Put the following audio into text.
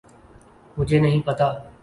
مجھے نہیں پتہ۔